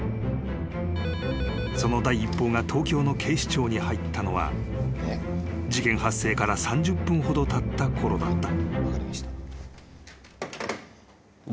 ［その第１報が東京の警視庁に入ったのは事件発生から３０分ほどたったころだった］